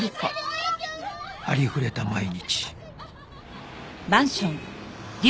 ありふれた毎日